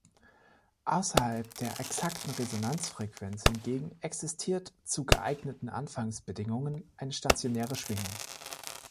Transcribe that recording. Außerhalb der exakten Resonanzfrequenz hingegen existiert zu geeigneten Anfangsbedingungen eine stationäre Schwingung.